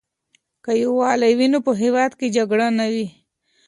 که یووالی وي نو په هېواد کې جګړه نه وي.